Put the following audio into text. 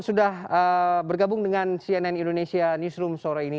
sudah bergabung dengan cnn indonesia newsroom sore ini